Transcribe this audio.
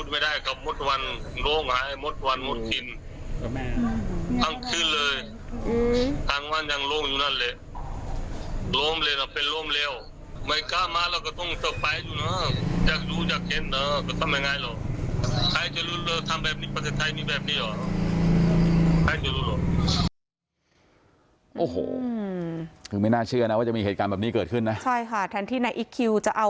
ไม่กล้ามาเราก็ต้องเซอร์ไฟต์อยู่นะอยากรู้อยากเห็นน่ะก็ทำยังไงหรอ